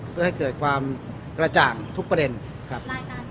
เพื่อให้เกิดความกระจ่างทุกประเด็นครับ